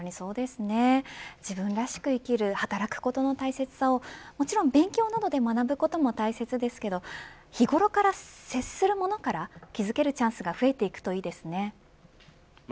自分らしく生きる働くことの大切さをもちろん、勉強などで学ぶことも大切ですが日頃から、接するものから気づけるチャンスが増えていくといいですね。